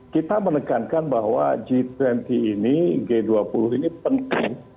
kita menekankan bahwa g dua puluh ini penting